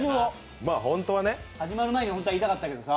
始まる前に本当は言いたかったけどさ。